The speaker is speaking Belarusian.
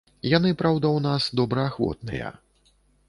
Яны, праўда, у нас добраахвотныя.